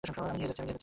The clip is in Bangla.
আমি নিয়ে যাচ্ছি!